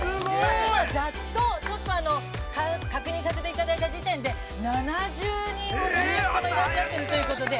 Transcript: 今、ざっと、確認させていただいた時点で、７０人ほどいらっしゃってるということで。